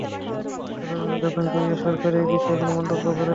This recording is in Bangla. এখন পর্যন্ত দক্ষিণ কোরিয়া সরকার এই বিষয়ে কোনও মন্তব্য করেনি।